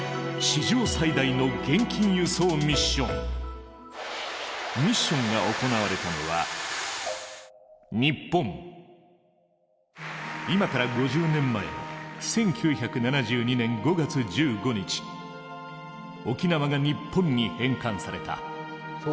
１つ目はミッションが行われたのは今から５０年前の１９７２年５月１５日沖縄が日本に返還された。